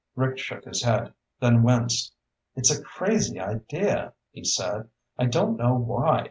Rick shook his head, then winced. "It's a crazy idea," he said. "I don't know why.